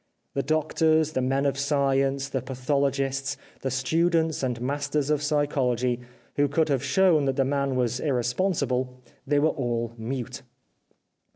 The doctors, the men of science, the patholo gists, the students and masters of psychology, who could have shown that the man was irre sponsible : they were all mute.